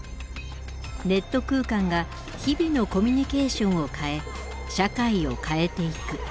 ネット空間が日々のコミュニケーションを変え社会を変えていく。